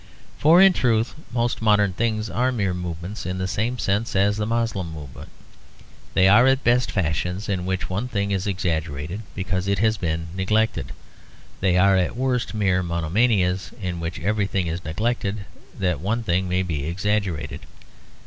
For in truth most modern things are mere movements in the same sense as the Moslem movement. They are at best fashions, in which one thing is exaggerated because it has been neglected. They are at worst mere monomanias, in which everything is neglected that one thing may be exaggerated.